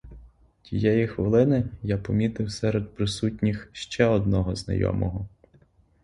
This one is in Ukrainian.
Тієї хвилини я помітив серед присутніх ще одного знайомого.